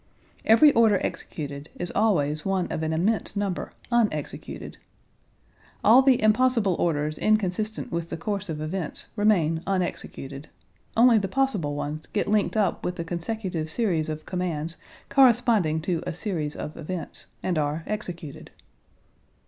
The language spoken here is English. Every order executed is always one of an immense number unexecuted. All the impossible orders inconsistent with the course of events remain unexecuted. Only the possible ones get linked up with a consecutive series of commands corresponding to a series of events, and are executed.